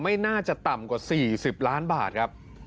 ไม่น่าจะต่ำกว่า๔๐ล้านบาทครับ